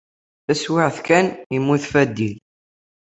Taswiɛt kan, yemmut Fadil.